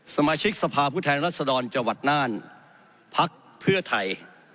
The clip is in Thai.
สมาชิกสภาพผู้แทนรัศดรจังหวัดน่านพักเพื่อไทย